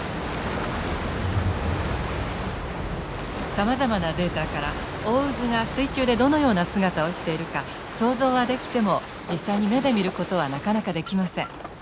さまざまなデータから大渦が水中でどのような姿をしているか想像はできても実際に目で見ることはなかなかできません。